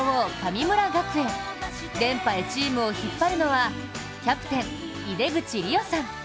連覇へチームを引っ張るのはキャプテン・井手口怜央さん。